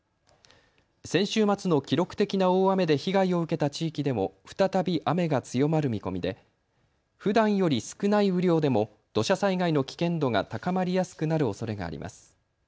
先週末の記録的な大雨で被害を受けた地域でも再び雨が強まる見込みで、ふだんより少ない雨量でも土砂災害の危険度が高まりやすくなるおそれがあります。